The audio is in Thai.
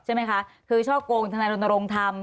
ใช่ไหมคะคือช่อโกงธนรนลงทำ